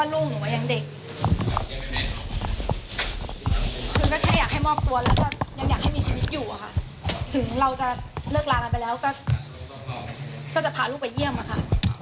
แล้วยังอยากให้มีชีวิตอยู่อะค่ะถึงเราจะเลิกลามาไปแล้วก็จะพาลูกอ่านไปยี่ยมอะค่ะ